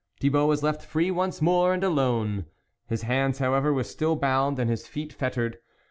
Thibault was left free once more, and alone. His hands however were still bound, and his feet fettered.